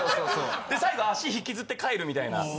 最後足ひきずって帰るみたいな。